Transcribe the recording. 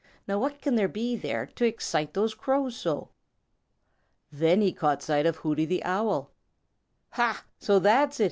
Now what can there be there to excite those Crows so?" Then he caught sight of Hooty the Owl. "Ha, so that's it!"